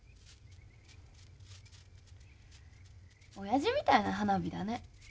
親父みたいな花火だね。